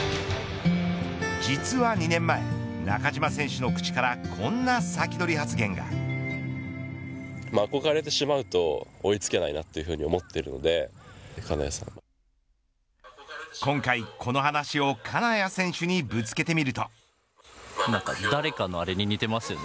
実は２年前、中島選手の口から今回、この話を金谷選手にぶつけてみると。